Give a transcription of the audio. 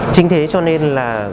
chính thế cho nên là